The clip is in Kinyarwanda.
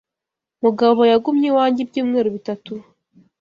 Mugabo yagumye iwanjye ibyumweru bitatu.